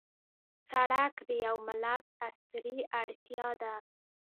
سړک د یوه ملت عصري اړتیا ده.